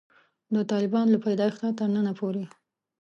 د طالبانو له پیدایښته تر ننه پورې.